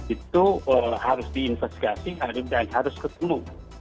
itu harus diinvestigasi dan harus ketemu